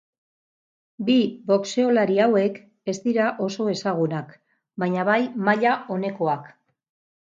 Bi boxeolari hauek ez dira oso ezagunak, baina bai maila onekoak.